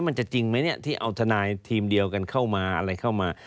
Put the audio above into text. มันจะจริงไหมที่เอาธนายทีมเดียวกันเข้ามา